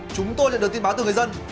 chúng tôi đã được tin báo từ người dân